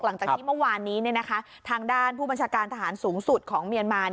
หลังจากที่เมื่อวานนี้ทางด้านผู้บัญชาการทหารสูงสุดของเมียนมา